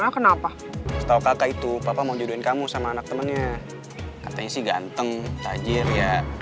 kenapa setau kakak itu papa mau jodohin kamu sama anak temannya katanya sih ganteng tajir ya